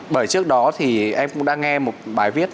bởi trước đó thì em cũng đã nghe một bài viết